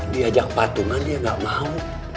diajak patungan dia gak mau